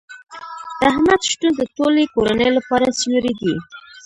د احمد شتون د ټولې کورنۍ لپاره سیوری دی.